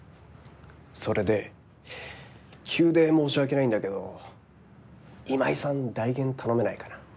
それで急で申し訳ないんだけど今井さん代原頼めないかな？